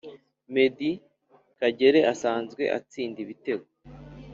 medi kagere usanzwe atsinda ibitego